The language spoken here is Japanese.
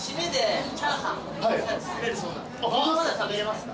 まだ食べれますか？